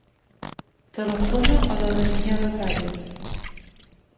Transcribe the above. Telefona a la Daniella Cala.